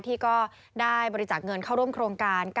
ที่ก็ได้บริจาคเงินเข้าร่วมโครงการ